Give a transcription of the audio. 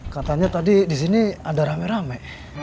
katanya tadi disini ada rame rame